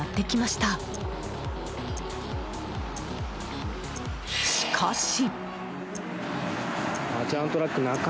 しかし。